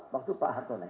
waktu pak hartone